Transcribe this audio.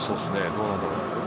どうなんだろう？